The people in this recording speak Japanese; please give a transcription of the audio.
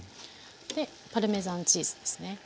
でパルメザンチーズですね。